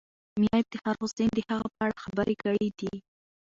میا افتخار حسین د هغه په اړه خبرې کړې دي.